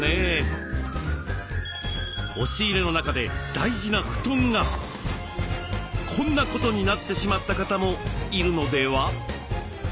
押し入れの中で大事な布団がこんなことになってしまった方もいるのでは？